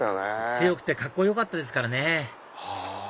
強くてカッコよかったですからね